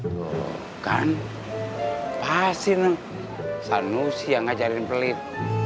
tuh kan pasti neng sanu sih yang ngajarin pelit